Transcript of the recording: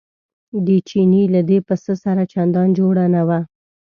د چیني له دې پسه سره چندان جوړه نه وه.